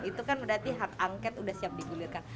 itu kan berarti harangkat udah siap digulirkan